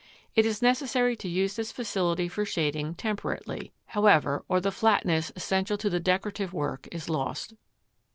It is necessary to use this facility for shading temperately, however, or the flatness essential to decorative work is lost.